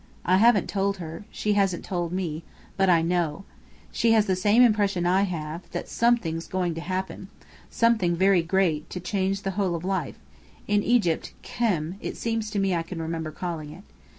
I haven't told her. She hasn't told me. But I know. She has the same impression I have, that something's going to happen something very great, to change the whole of life in Egypt: 'Khem,' it seems to me I can remember calling it.